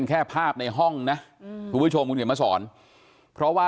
ค่า